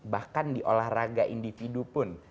bahkan di olahraga individu pun